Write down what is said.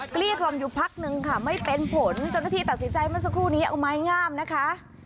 กลี๊กลองอยู่พักหนึ่งค่ะไม่เป็นผลจนรถีตัดสินใจมาสักครู่นี้เอาไม้ง่ามนะคะ